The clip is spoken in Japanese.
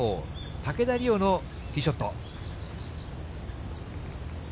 竹田麗央のティーショット。